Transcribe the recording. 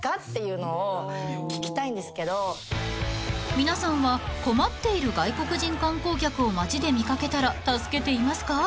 ［皆さんは困っている外国人観光客を街で見掛けたら助けていますか？